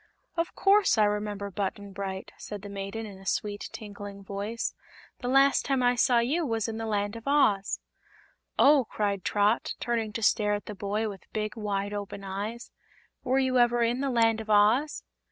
"Of course I remember Button Bright," replied the maiden, in a sweet, tinkling voice. "The last time I saw you was in the Land of Oz." "Oh!" cried Trot, turning to stare at the boy with big, wide open eyes; "were you ever in the Land of Oz?"